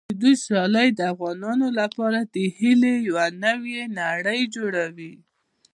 د دوی سیالۍ د افغانانو لپاره د هیلو یوه نوې نړۍ جوړوي.